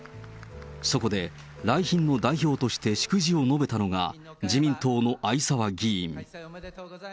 そこで来賓の代表として祝辞を述べたのが自民党の逢沢議員。